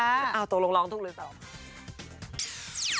เอาตัวลองต้องเลยตอบ